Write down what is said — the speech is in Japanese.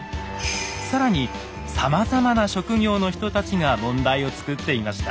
更にさまざまな職業の人たちが問題を作っていました。